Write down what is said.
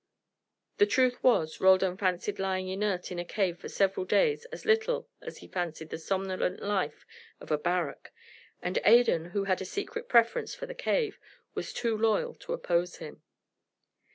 The truth was, Roldan fancied lying inert in a cave for several days as little as he fancied the somnolent life of a barrack, and Adan, who had a secret preference for the cave, was too loyal to oppose him.